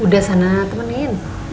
udah sana temenin